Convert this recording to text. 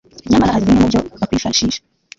nyamara hari bimwe mu byo bakwifashisha